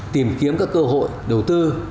tìm kiếm các cơ hội đầu tư